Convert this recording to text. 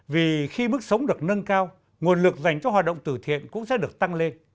vì khi mức sống được nâng cao nguồn lực dành cho hoạt động từ thiện cũng sẽ được tăng lên